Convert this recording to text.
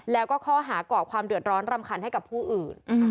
แล้วก็ข้อหาก่อความเดือดร้อนรำคันให้กับผู้อื่น